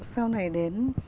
sau này đến